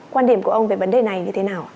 quan điểm của ông về vấn đề này như thế nào